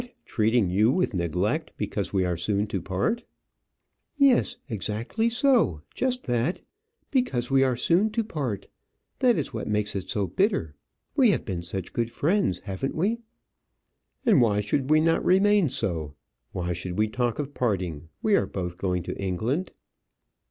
treating you with neglect, because we are soon to part?" "Yes, exactly so; just that; because we are soon to part. That is what makes it so bitter. We have been such good friends, haven't we?" "And why should we not remain so? Why should we talk of parting? We are both going to England."